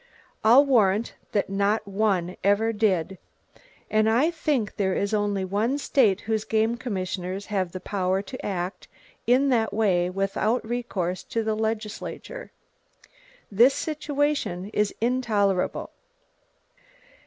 I'll warrant that not one ever did; and I think there is only one state whose game commissioners have the power to act in that way without recourse to the legislature. This situation is intolerable.